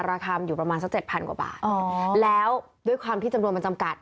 ราคาอยู่ประมาณสักเจ็ดพันกว่าบาทแล้วด้วยความที่จำนวนมันจำกัด